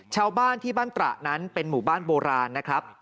ชาวบ้านที่บ้านตระนั้นเป็นหมู่บ้านโบราณนะครับ